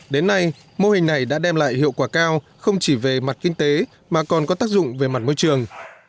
đến nay mô hình này đã đem lại hiệu quả cao không chỉ về mặt kinh tế mà còn có tác dụng về mặt môi trường